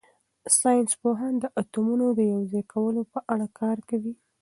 ساینس پوهان د اتومونو د یوځای کولو په اړه کار کوي.